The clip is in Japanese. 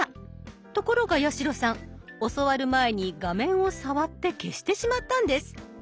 ところが八代さん教わる前に画面を触って消してしまったんです。